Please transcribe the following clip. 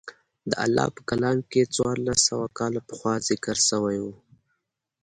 د الله په کلام کښې څوارلس سوه کاله پخوا ذکر سوي وو.